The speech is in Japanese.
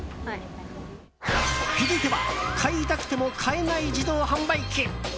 続いては買いたくても買えない自動販売機。